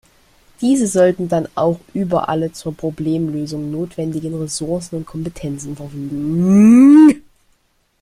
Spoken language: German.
Diese sollten dann auch über alle zur Problemlösung notwendigen Ressourcen und Kompetenzen verfügen.